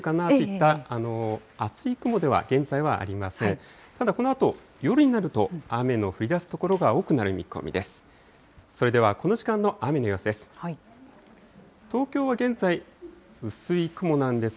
ただ、このあと、夜になると雨の降りだす所が多くなる見込みです。